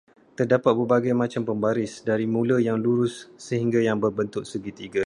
Terdapat berbagai macam pembaris, dari mulai yang lurus sehingga yang berbentuk segitiga.